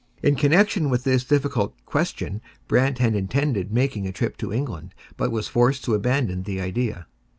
In connection with this difficult question Brant had intended making a trip to England, but was forced to abandon the idea.